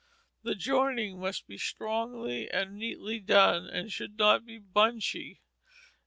The joining must be strongly and neatly done and should not be bunchy.